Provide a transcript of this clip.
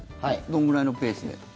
どんぐらいのペースで？